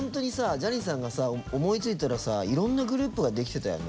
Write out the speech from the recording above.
ジャニーさんが思いついたらさいろんなグループができてたよね。